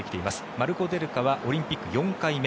マルコ・デ・ルカはオリンピック４回目。